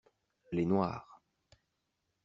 Les noires.